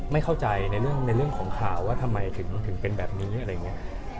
ไม่เข้าใจในเรื่องของข่าวว่าทำไมถึงเป็นแบบนี้อะไรอย่างนี้